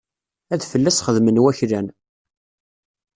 Ad fell-as xedmen waklan.